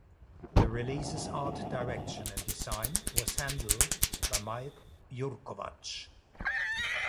The release's art direction and design was handled by Mike Jurkovac.